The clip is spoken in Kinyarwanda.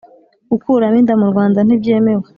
gukuramo inda murwanda ntibyemewe